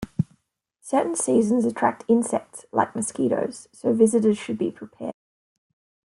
Certain seasons attract insects, like mosquitos, so visitors should be prepared.